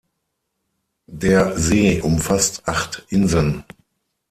Der See umfasst acht Inseln.